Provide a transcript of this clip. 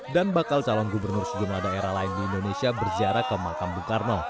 dan bakal calon gubernur sejumlah daerah lain di indonesia berziarah ke makam bukarno